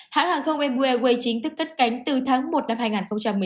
hãng hàng không bmw chính thức cất cánh từ tháng một năm hai nghìn một mươi chín